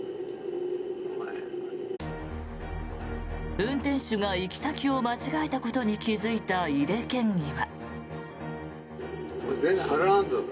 運転手が行き先を間違えたことに気付いた井手県議は。